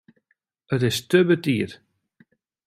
It is te betiid.